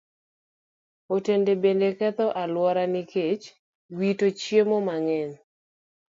Otende bende ketho alwora nikech wito chiemo mang'eny.